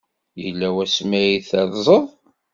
Yella wasmi ay terrẓeḍ?